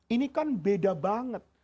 ini kan beda banget